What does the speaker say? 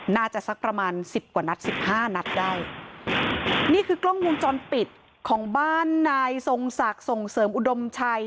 สักประมาณสิบกว่านัดสิบห้านัดได้นี่คือกล้องวงจรปิดของบ้านนายทรงศักดิ์ส่งเสริมอุดมชัย